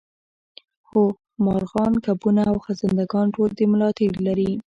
هو مارغان کبونه او خزنده ګان ټول د ملا تیر لري